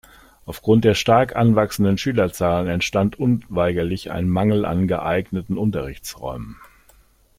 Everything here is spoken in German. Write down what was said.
Auf Grund der stark anwachsenden Schülerzahlen entstand unweigerlich ein Mangel an geeigneten Unterrichtsräumen.